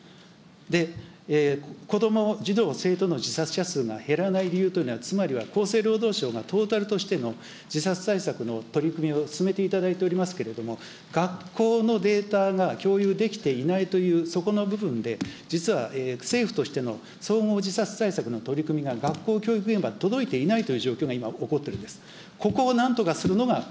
で、子ども、児童・生徒の自殺者数が減らない理由というのは、つまりは厚生労働省はトータルとしての自殺対策の取り組みを進めていただいておりますけれども、学校のデータが共有できていないという、そこの部分で、実は政府としての総合自殺対策の取り組みが学校教育現場、届いていないという状況が今、起こってるんです。